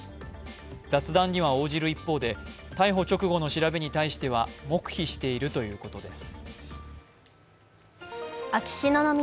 雑談には応じる一方で逮捕直後の調べに対しては黙秘しているということです。